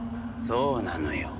そうなのよ。